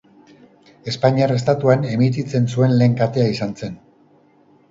Espainiar estatuan emititzen zuen lehen katea izan zen.